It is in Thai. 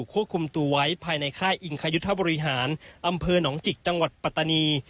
ปรับเป็นอาคารโปรบวาทับตะพี